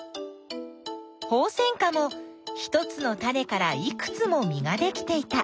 ホウセンカも１つのタネからいくつも実ができていた。